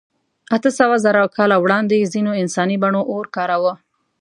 اتهسوهزره کاله وړاندې ځینو انساني بڼو اور کاراوه.